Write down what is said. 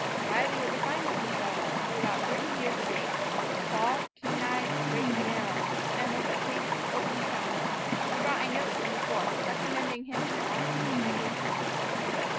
Riley was a fine looking fellow, of about thirty years of age tall, keen eyed, straight as an arrow, and with a pleasing open countenance. He brought a note from the fort, recommending him for honesty and faithfulness.